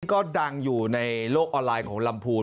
ก็ดังอยู่ในโลกออนไลน์ของลำพูน